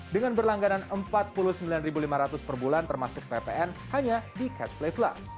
dengan berlangganan rp empat puluh sembilan lima ratus per bulan termasuk ppn hanya di catch play plus